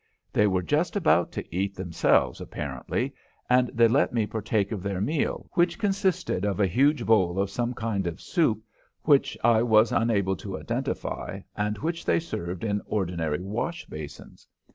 They were just about to eat, themselves, apparently, and they let me partake of their meal, which consisted of a huge bowl of some kind of soup which I was unable to identify and which they served in ordinary wash basins!